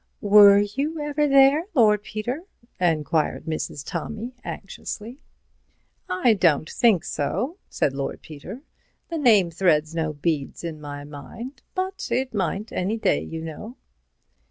"Were you ever there, Lord Peter?" enquired Mrs. Tommy, anxiously. "I don't think so," said Lord Peter, "the name threads no beads in my mind. But it might, any day, you know."